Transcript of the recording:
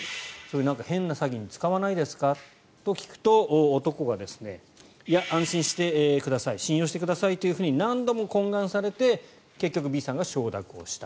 変な詐欺に使わないですかと聞くと男が、いや、安心してください信用してくださいと何度も懇願されて結局、Ｂさんが承諾をした。